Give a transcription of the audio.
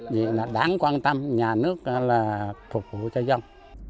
vì là đáng quan tâm nhà nước là phục vụ cho dân